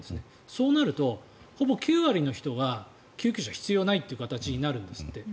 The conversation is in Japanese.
そうなるとほぼ９割の人は救急車が必要ないってなるんですって。